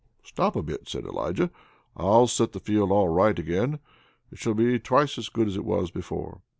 "Stop a bit!" said Elijah. "I'll set the field all right again. It shall be twice as good as it was before."